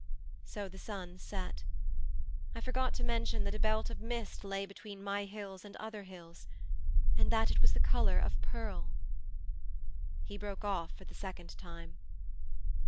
'So the sun set. I forgot to mention that a belt of mist lay between my hill and other hills, and that it was the colour of pearl.' He broke off for the second time.